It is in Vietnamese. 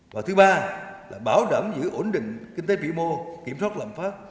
và thứ ba là bảo đảm giữ ổn định kinh tế vĩ mô kiểm soát lậm pháp